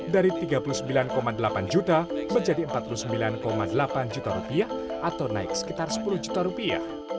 dari rp tiga puluh sembilan delapan juta menjadi rp empat puluh sembilan delapan juta atau naik sekitar rp sepuluh juta